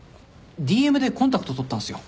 ＤＭでコンタクト取ったんすよ